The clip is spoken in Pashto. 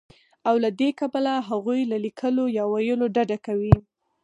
او له دې کبله هغوی له ليکلو يا ويلو ډډه کوي